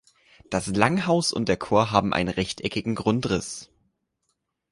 Das Langhaus und der Chor haben einen rechteckigen Grundriss.